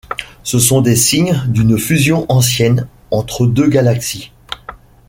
Ce sont des signes d'une fusion ancienne entre deux galaxies.